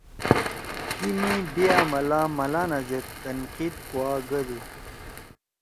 تیمی بے عملا ملانا زید تنقید کُوا گَدُو